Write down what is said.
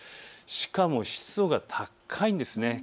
しかも湿度が高いんですね。